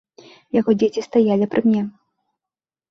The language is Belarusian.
Яго дзеці стаялі пры мне.